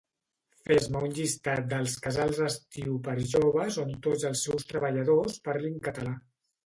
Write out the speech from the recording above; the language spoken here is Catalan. Fes-me llistat dels Casals Estiu per joves on tots els seus treballadors parlin català